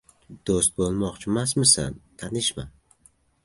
• Do‘st bo‘lmoqchimasmisan ― tanishma.